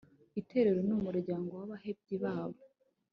itorero n'umuryango w'abahebyi babo